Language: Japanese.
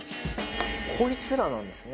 こいつらなんですね。